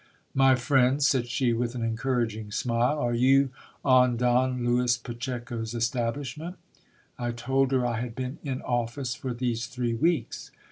My friend, said she with an encouraging smile, are you on Don Lewis Pacheco's establishment ? I told her I had been in office for these three weeks.